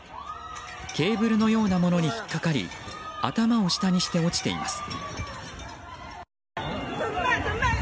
ケーブルのようなものに引っ掛かり頭を下にして落ちています。